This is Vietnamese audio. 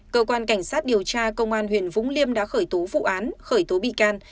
cơ quan cảnh sát điều tra công an huyện vũng liêm đã khởi tố vụ án khởi tố bị can